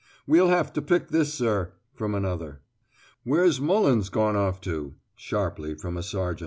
"We'll have to pick this, sir," from another. "Where's Mullens gone off to?" sharply from a sergeant.